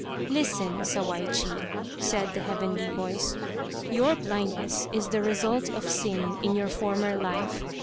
" Listen, Sawaichi !" said the Heavenly Voice, " Your blindness is the result of sin in your former life.